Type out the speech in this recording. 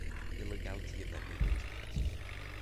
The legality of that memo is in question.